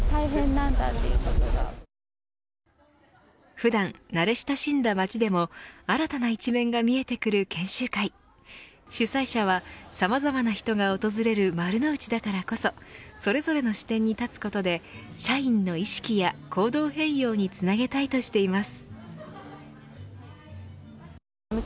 普段、慣れ親しんだ街でも新たな一面が見えてくる研修会主催者は、さまざまな人が訪れる丸の内だからこそそれぞれの視点に立つことで社員の意識や行動変容につなげたいとしています。